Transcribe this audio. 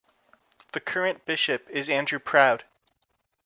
The current bishop is Andrew Proud.